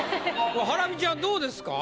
ハラミちゃんどうですか？